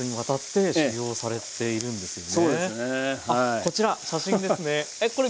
こちら写真ですね。